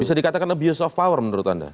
bisa dikatakan abuse of power menurut anda